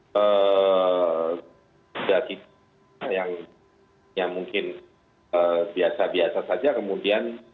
sudah kita yang mungkin biasa biasa saja kemudian